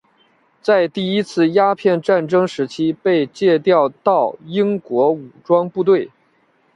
在第一次鸦片战争时期被借调到英国武装部队。